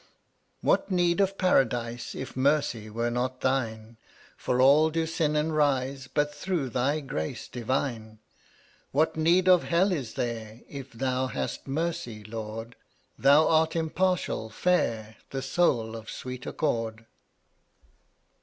bmav What need of Paradise If mercy were not Thine? 1/ For all do sin and rise But through Thy grace divine. What need of hell is there If Thou hast mercy, Lord? Thou art impartial, fair, The Soul of Sweet Accord.